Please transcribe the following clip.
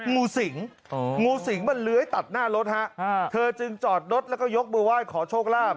งูสิงงูสิงมันเลื้อยตัดหน้ารถฮะเธอจึงจอดรถแล้วก็ยกมือไหว้ขอโชคลาภ